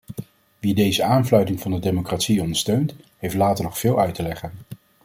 Wie deze aanfluiting van de democratie ondersteunt heeft later nog veel uit te leggen.